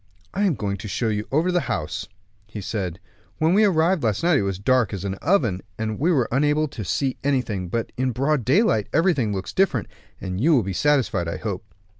"I am going to show you over the house," he said; "when we arrived last night it was as dark as an oven, and we were unable to see anything; but in broad daylight, everything looks different, and you will be satisfied, I hope."